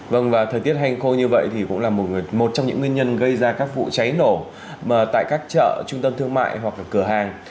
vâng và thời tiết hành khô như vậy thì cũng là một trong những nguyên nhân gây ra các vụ cháy nổ mà tại các chợ trung tâm thương mại hoặc là cửa hàng